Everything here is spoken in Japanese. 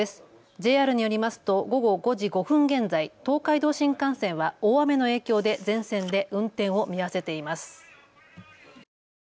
ＪＲによりますと午後５時５分現在、東海道新幹線は大雨の影響で全線で運転を見合わせています。